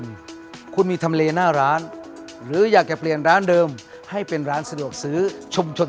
วันนี้ถ้าคุณสนใจอยากจะเป็นเจ้าของกิจการ